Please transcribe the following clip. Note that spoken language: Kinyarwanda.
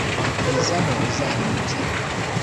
kugeza aho uzarimbukira.